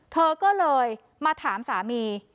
เธอก็เลยมาถามสามี